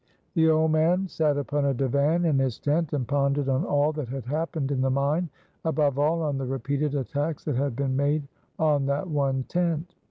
The old man sat upon a divan in his tent, and pondered on all that had happened in the mine; above all, on the repeated attacks that had been made on that one tent.